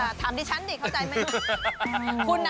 อ่าถามดิฉันดิเข้าใจไหม